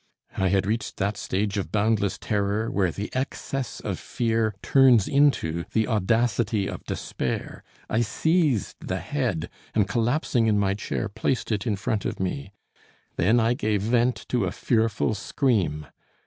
I had reached that stage of boundless terror where the excess of fear turns into the audacity of despair. I seized the head and collapsing in my chair, placed it in front of me. Then I gave vent to a fearful scream.